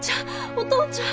お父ちゃん！